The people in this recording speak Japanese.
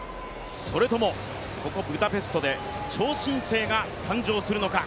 それともここブダペストで超新星が誕生するのか。